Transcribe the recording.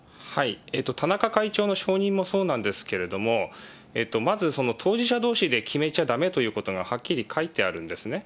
田中会長の承認もそうなんですけれども、まず当事者どうしで決めちゃだめということがはっきり書いてあるんですね。